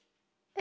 え！